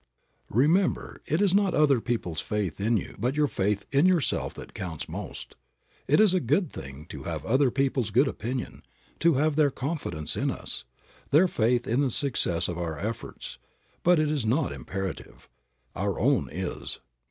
Remember it is not other people's faith in you but your faith in yourself that counts most. It is a good thing to have other people's good opinion, to have their confidence in us, their faith in the success of our efforts, but it is not imperative. Our own is.